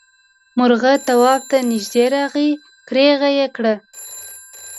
مرغه تواب ته نږدې راغی کريغه یې کړه.